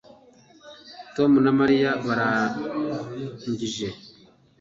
Tom na Mariya barangije